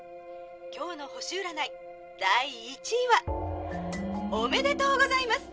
今日の星占い第１位はおめでとうございます！